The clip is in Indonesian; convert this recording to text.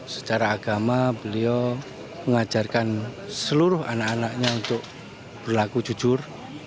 secara agama beliau mengajarkan seluruh anak anaknya untuk berlaku jujur